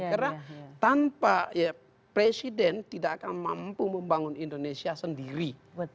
karena tanpa presiden tidak akan mampu membangun indonesia sendiri